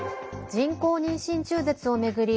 人工妊娠中絶を巡り